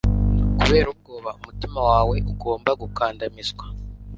kubera ubwoba umutima wawe ugomba gukandamizwa